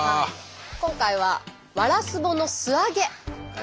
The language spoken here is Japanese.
今回はワラスボの素揚げ。